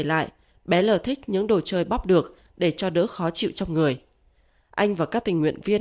lại bé lờ thích những đồ chơi bắp được để cho đỡ khó chịu trong người anh và các tình nguyện viên